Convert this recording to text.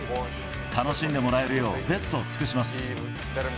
楽しんでもらえるよう、ベストを尽くします。